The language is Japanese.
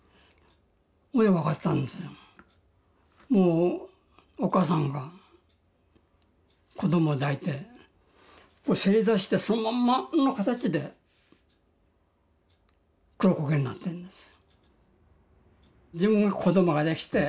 もうお母さんが子供を抱いて正座してそのまんまの形で黒焦げになってるんです。